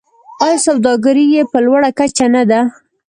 آیا سوداګري یې په لوړه کچه نه ده؟